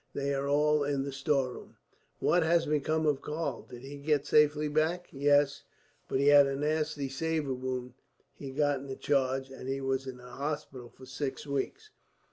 They are all in the storeroom." "What has become of Karl? Did he get safely back?" "Yes; but he had a nasty sabre wound he got in the charge, and he was in hospital for six weeks.